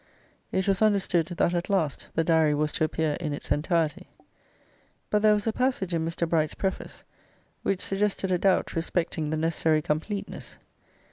It was understood that at last the Diary was to appear in its entirety, but there was a passage in Mr. Bright's preface which suggested a doubt respecting the necessary completeness.